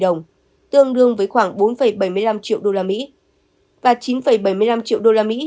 tổng tiền tương đương với khoảng bốn bảy mươi năm triệu usd và chín bảy mươi năm triệu usd